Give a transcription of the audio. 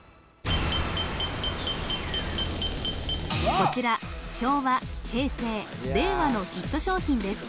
こちら昭和平成令和のヒット商品です